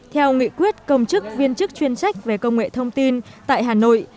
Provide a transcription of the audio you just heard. theo nghị quyết công chức viên chức chuyên trách về công nghệ thông tin tại hà nội